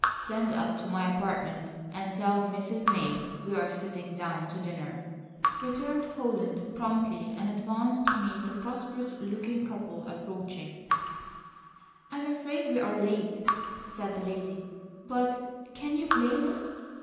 "Send up to my apartment and tell Mrs. May we are sitting down to dinner," returned Holland promptly, and advanced to meet the prosperous looking couple approaching. "I'm afraid we are late," said the lady, "but can you blame us?